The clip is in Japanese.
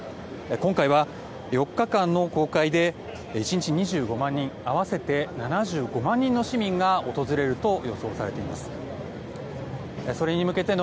今回は４日間の公開で１日２５万人合わせて７５万人の市民が訪れると予想されています。